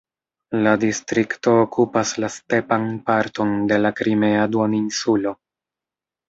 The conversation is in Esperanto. La distrikto okupas la stepan parton de la Krimea duoninsulo.